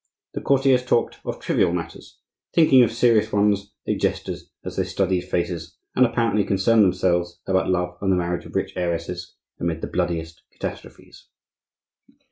The courtiers talked of trivial matters, thinking of serious ones; they jested as they studied faces, and apparently concerned themselves about love and the marriage of rich heiresses amid the bloodiest catastrophes.